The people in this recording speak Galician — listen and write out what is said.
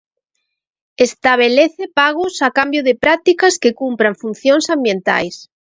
Estabelece pagos a cambio de prácticas que cumpran funcións ambientais.